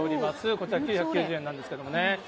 こちら９９０円なんですけどもね。